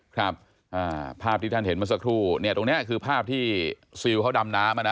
ครับภาพที่ท่านเห็นเมื่อสักครู่เนี่ยตรงเนี้ยคือภาพที่ซิลเขาดำน้ำอ่ะนะ